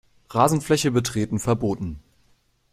Rasenfläche betreten verboten.